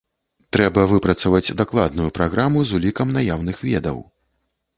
Трэба выпрацаваць дакладную праграму з улікам наяўных ведаў.